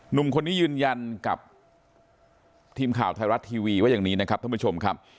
หนุ่มคนนี้ยืนยันกับทีมข่าวไทยรัฐทีวีว่าอย่างนี้นะครับท่านผู้ชมครับ